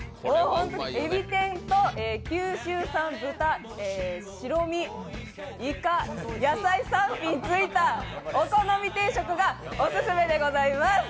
えび天と九州産豚、白身、いか、野菜３品ついたお好み定食がオススメでございます。